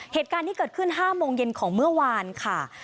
เหตุการณ์นี้เกิดขึ้น๕โมงเย็นของเมื่อวานค่ะ